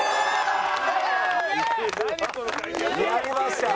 やりました。